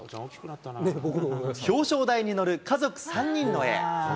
表彰台に乗る家族３人の絵。